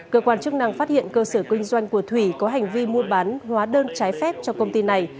cơ quan chức năng phát hiện cơ sở kinh doanh của thủy có hành vi mua bán hóa đơn trái phép cho công ty này